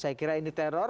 saya kira ini teror